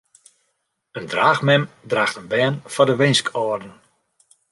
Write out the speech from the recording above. In draachmem draacht in bern foar de winskâlden.